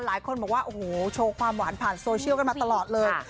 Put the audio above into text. หลายคนบอกว่าโอ้โหโชว์ความหวานผ่านโซเชียลกันมาตลอดเลย